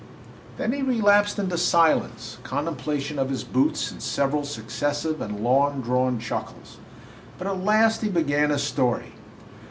Then he relapsed into silence, contemplation of his boots, and several successive and long drawn chuckles. But at last he began his story.